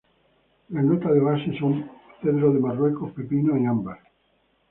La nota de base son cedro de Marruecos, pepino, y ámbar.